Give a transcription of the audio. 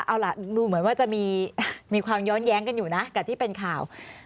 เอาล่ะดูเหมือนว่าจะมีความย้อนแย้งกันอยู่นะกับที่เป็นข่าว